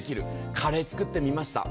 カレーを作ってみました。